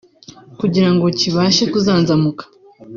kugira ngo kibashe kuzanzamuka